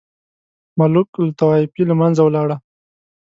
ملوک الطوایفي له منځه ولاړه.